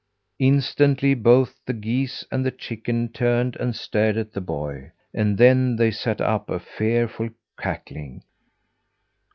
Instantly, both the geese and the chickens turned and stared at the boy; and then they set up a fearful cackling.